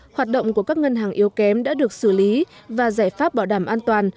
hoạt động của các ngân hàng yếu kém đã được xử lý và giải pháp bảo đảm an toàn